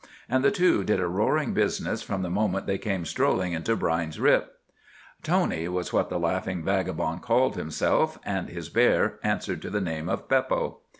And the two did a roaring business from the moment they came strolling into Brine's Rip. "Tony" was what the laughing vagabond called himself, and his bear answered to the name of Beppo.